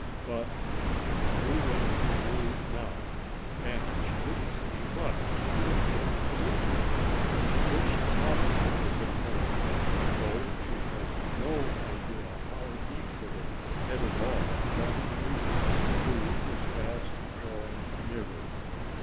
But it was too late to move now. And she didn't see what she was going to do. She wished Bobby was at home, though she had no idea how he could have headed off Johnnie Green who was fast drawing nearer.